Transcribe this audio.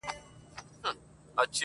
شتُرمرغ ویله زه ستاسي پاچا یم.!